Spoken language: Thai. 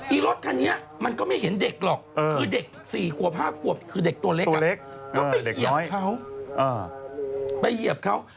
ไอ้รถคันนี้มันก็ไม่เห็นเด็กหรอกคือเด็กสี่ขวบห้าขวบคือเด็กตัวเล็กก็ไปเหยียบเขา